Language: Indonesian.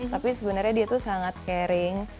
tapi sebenarnya dia tuh sangat caring